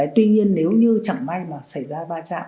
tuy nhiên nếu như chẳng may mà xảy ra va chạm